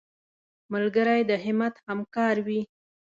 ملګری د همت همکار وي